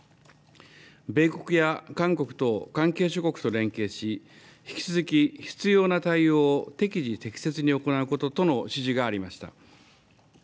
米国や韓国と、関係諸国と連携し、引き続き必要な対応を適時適切に行うこととの指示がありました。